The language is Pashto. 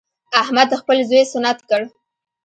احمد خپل زوی سنت کړ.